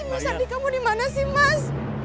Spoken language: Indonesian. mas ardi kamu dimana sih